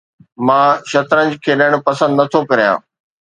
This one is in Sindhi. مان شطرنج کيڏڻ پسند نٿو ڪريان